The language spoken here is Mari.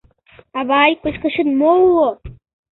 Авай, кочкашет мо уло?